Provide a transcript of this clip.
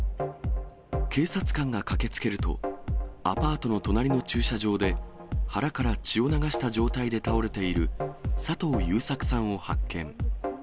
警察官が駆けつけると、アパートの隣の駐車場で、腹から血を流した状態で倒れている佐藤優作さんを発見。